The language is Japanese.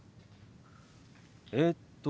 えっと。